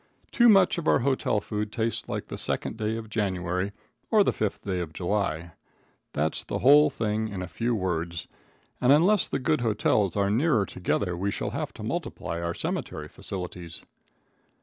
Too much of our hotel food tastes like the second day of January or the fifth day of July. That's the whole thing in a few words, and unless the good hotels are nearer together we shall have to multiply our cemetery facilities.